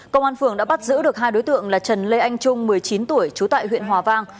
công an phường đã bắt giữ được hai đối tượng là trần lê anh trung một mươi chín tuổi trú tại huyện hòa vang